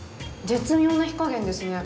絶妙な火加減ですね。